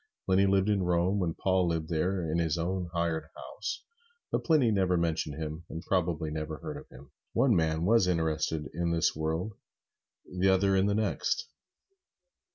Pliny lived at Rome when Paul lived there in his own hired house, but Pliny never mentioned him, and probably never heard of him. One man was interested in this world, the other in the next.